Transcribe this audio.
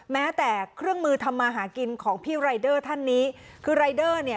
แม้แต่เครื่องมือทำมาหากินของพี่รายเดอร์ท่านนี้คือรายเดอร์เนี่ย